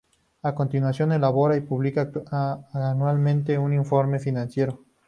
A continuación, elabora y publica anualmente un informe financiero.